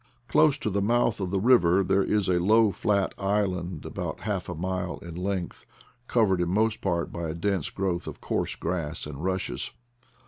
Close to the mouth of the river there is a low flat island, about half a mile in length, covered in most part by a dense growth of coarse grass and rushes.